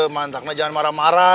mantaknya jangan marah marah